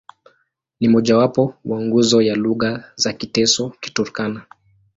Ni mmojawapo wa nguzo ya lugha za Kiteso-Kiturkana.